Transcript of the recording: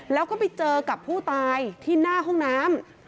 แล้วก็ไปเจอกับผู้ตายที่หน้าห้องน้ำ